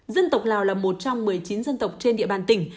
dân tộc lào là một trong một mươi chín dân tộc trên địa bàn tỉnh